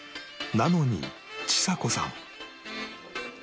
なのにちさ子さん